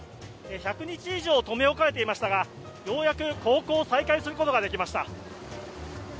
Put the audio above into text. １００日以上留め置かれていましたがようやく航行再開することができました。